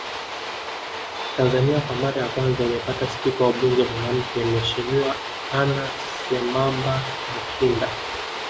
Tanzania kwa mara ya kwanza imepata spika wa mbuge mwanamke Mheshimiwa Anna Semamba Makinda